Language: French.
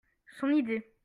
Son idée.